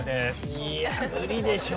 いや無理でしょ。